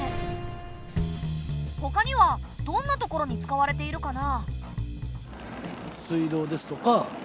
ほかにはどんなところに使われているかな？